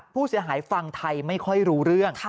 ผู้เสียหายฟังไทยไม่ค่อยรู้เรื่อง